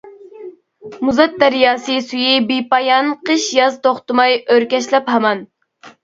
مۇزات دەرياسى سۈيى بىپايان، قىش-ياز توختىماي ئۆركەشلەپ ھامان.